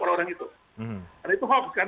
per orang itu karena itu hoax kan